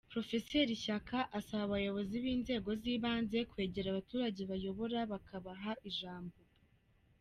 Prof Shyaka asaba abayobozi b’inzego z’ibanze kwegera abaturage bayobora, bakabaha ijambo.